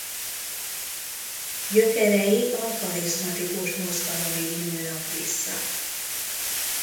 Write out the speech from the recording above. Gyökerei a karizmatikus mozgalomig nyúlnak vissza.